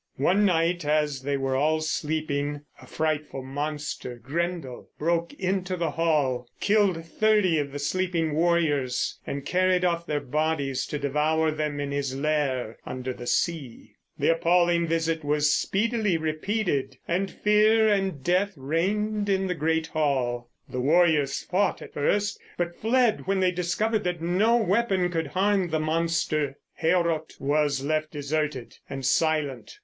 One night, as they were all sleeping, a frightful monster, Grendel, broke into the hall, killed thirty of the sleeping warriors, and carried off their bodies to devour them in his lair under the sea. The appalling visit was speedily repeated, and fear and death reigned in the great hall. The warriors fought at first; but fled when they discovered that no weapon could harm the monster. Heorot was left deserted and silent.